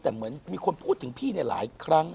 แต่เหมือนมีคนพูดถึงพี่เนี่ยหลายครั้ง